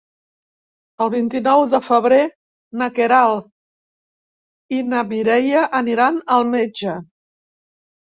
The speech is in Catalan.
El vint-i-nou de febrer na Queralt i na Mireia aniran al metge.